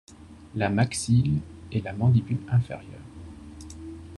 La maxille est la mandibule inférieure.